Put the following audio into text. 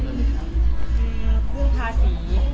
อืมเรื่องภาษี